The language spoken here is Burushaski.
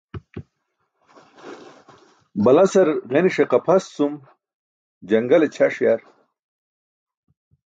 Balasar ġenise qapʰas cum jaṅgale ćʰaṣ yar.